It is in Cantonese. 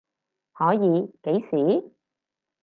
可以，幾時？